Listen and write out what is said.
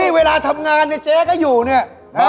นี่เวลาทำงานเจ๊ก็อยู่เนี่ย